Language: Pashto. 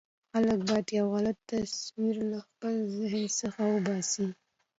خلک باید یو غلط تصور له خپل ذهن څخه وباسي.